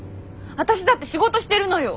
私だって仕事してるのよ！